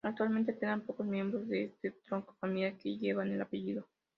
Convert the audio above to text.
Actualmente quedan pocos miembros de este tronco familiar que lleven el apellido.